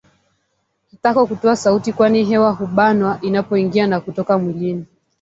Kitako kutoa sauti kwani hewa hubanwa inapoingia na kutoka mwilini